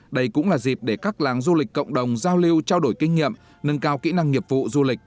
đây cũng là dịp để các làng du lịch cộng đồng giao lưu trao đổi kinh nghiệm nâng cao kỹ năng nghiệp vụ du lịch